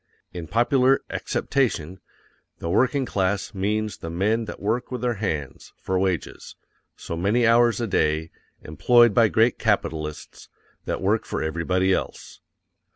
_ In popular acceptation, the working class means the men that work with their hands, for wages, so many hours a day, employed by great capitalists; that work for everybody else.